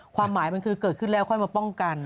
ความหมายมันคือเกิดขึ้นแล้วค่อยมาป้องกัน